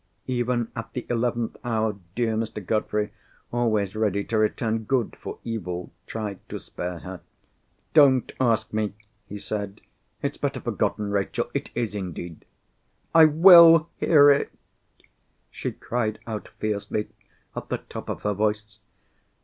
_" Even at the eleventh hour, dear Mr. Godfrey—always ready to return good for evil—tried to spare her. "Don't ask me!" he said. "It's better forgotten, Rachel—it is, indeed." "I will hear it!" she cried out, fiercely, at the top of her voice.